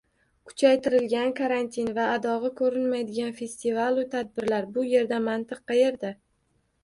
Kuchaytirilgan karantin va adog‘i ko‘rinmaydigan festival-u tadbirlar. Bu yerda mantiq qayerda?